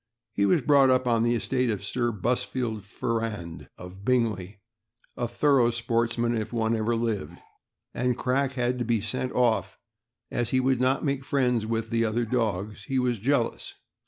He was brought up on the estate of Sir Busfield Ferrand, of Bingley — a thorough spoitsman, if ever one lived — and Crack had to be sent off, as he would not make friends with the other dogs; he was jealous.